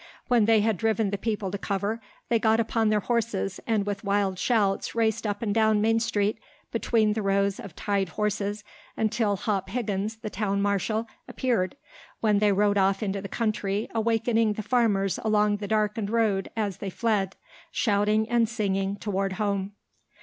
When they had driven the people to cover they got upon their horses and with wild shouts raced up and down Main Street between the rows of tied horses until Hop Higgins, the town marshal, appeared, when they rode off into the country awakening the farmers along the darkened road as they fled, shouting and singing, toward home.